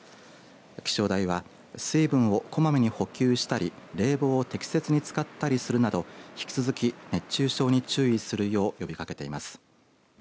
気象台は水分をこまめに補給したり冷房を適切に使うなど引き続き熱中症に注意するよう呼びかけています。